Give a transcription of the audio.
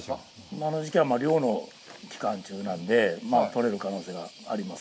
今の時期は、漁の期間中なんで、取れる可能性があります。